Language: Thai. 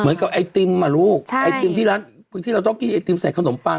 ไอติมอ่ะลูกใช่ไอติมที่ร้านที่เราต้องกินไอติมใส่ขนมปัง